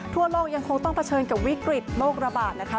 ทั่วโลกยังคงต้องเผชิญกับวิกฤตโรคระบาดนะคะ